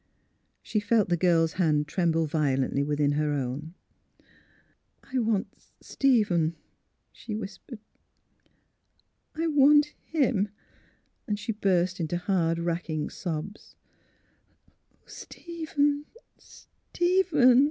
'' She felt the girl's hand tremble violently within her own. " I want — Stephen," she whispered. " I — want him!" She burst into hard, racking sobs. ^' Oh, Stephen — Stephen!